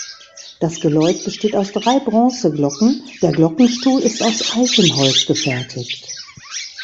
Das Geläut besteht aus drei Bronzeglocken, der Glockenstuhl ist aus Eichenholz gefertigt.